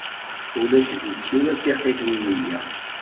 Ulac deg-s ula d tiqit n neyya.